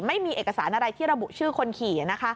ไม่มีเอกสารอะไรที่ระบุชื่อคนขี่